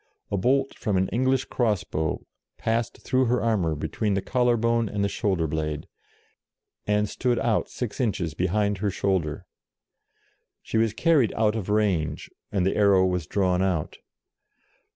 A bolt from an English cross bow passed through her armour between the collar bone and the shoulder blade, and stood out six inches behind her shoulder. She was carried out of range, and the arrow was drawn out.